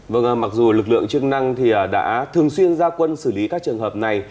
vâng mặc dù lực lượng chức năng thì đã thường xuyên ra quân xử lý các trường hợp này